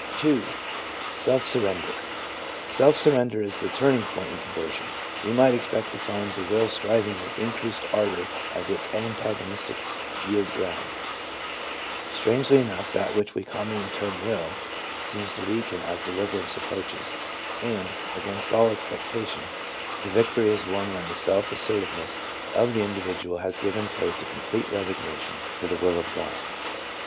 2. Self Surrender. Self surrender is the turning point in conversion. We might expect to find the will striv ing with increased ardor as its antagonists yield ground. Strangely enough, that which we commonly term "will" seems to weaken as deliverance approaches, and, against all expectation, the victory is won when the self assertiveness of the individual has given place to complete resignation to "the will of God."